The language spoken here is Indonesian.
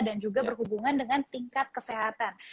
dan juga berhubungan dengan tingkat kesehatan